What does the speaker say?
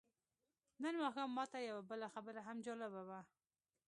نن ماښام ماته یوه بله خبره هم جالبه وه.